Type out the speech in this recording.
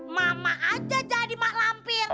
mama aja jadi mah lampir